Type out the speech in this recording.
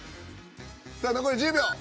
さあ残り１０秒。